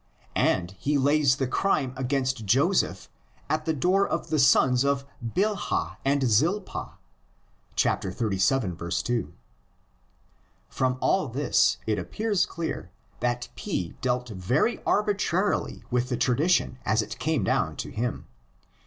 and he lays the crime against Joseph at the door of the sons of Bilhah and Zilpah (xxxvii. 2). From all of this it appears clear that P dealt very arbitrarily with the tradition as it came down to him.